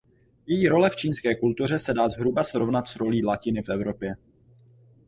Její role v čínské kultuře se dá zhruba srovnat s rolí latiny v Evropě.